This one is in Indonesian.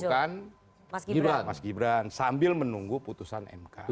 yang mengusulkan mas gibran sambil menunggu putusan mk